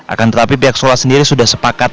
akan tetapi pihak sekolah sendiri sudah sepakat